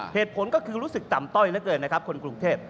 เหตุผลก็คือรู้สึกต่ำต้อยเหลือเกินนะครับคนกรุงเทพ